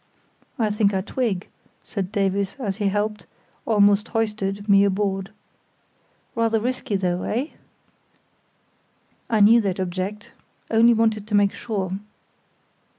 "I think I twig," said Davies, as he helped, almost hoisted, me aboard. "Rather risky though—eh?" "I knew they'd object—only wanted to make sure."